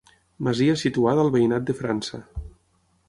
Masia situada al veïnat de França.